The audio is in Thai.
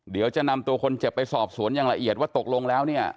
เดี๋ยวจะนำตัวคนเจ็บไปสอบสวนอย่างละเอียดว่าตกลงแล้วเนี่ย